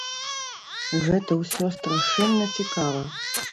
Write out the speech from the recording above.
Гэта ўсё страшэнна цікава.